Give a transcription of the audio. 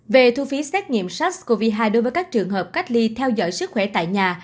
về thu phí xét nghiệm sars cov hai đối với các trường hợp cách ly theo dõi sức khỏe tại nhà